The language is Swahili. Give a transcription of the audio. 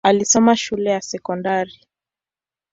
Alisoma shule ya sekondari.